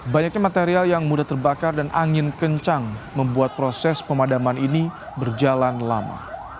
banyaknya material yang mudah terbakar dan angin kencang membuat proses pemadaman ini berjalan lama